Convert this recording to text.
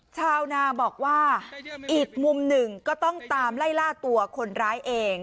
ชาวนาบอกว่าอีกมุมหนึ่งก็ต้องตามไล่ล่าตัวคนร้ายเอง